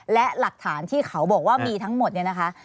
และหลักฐานที่เขาบอกว่ามีทั้งหมดเนี่ยนะคะ